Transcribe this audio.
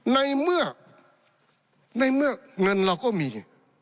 ในเมื่อเงินเราก็มี